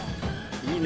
いいね